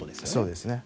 そうですね。